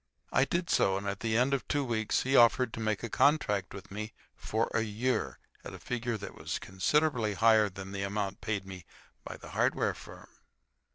I did so, and at the end of two weeks he offered to make a contract with me for a year at a figure that was considerably higher than the amount paid me by the hardware firm.